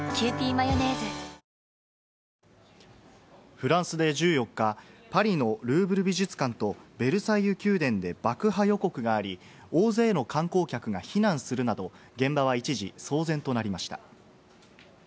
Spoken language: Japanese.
フランスで１４日、パリのルーブル美術館とベルサイユ宮殿で爆破予告があり、大勢の観光客が避難するなど、現場は一時騒然となりました。